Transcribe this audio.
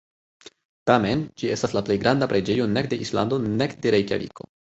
Tamen, ĝi estas la plej granda preĝejo nek de Islando nek de Rejkjaviko.